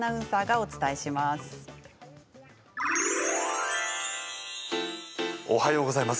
おはようございます。